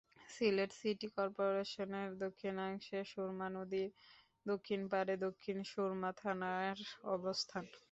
Sylhet city কর্পোরেশনের দক্ষিণাংশে সুরমা নদীর দক্ষিণ পাড়ে দক্ষিণ সুরমা থানার অবস্থান।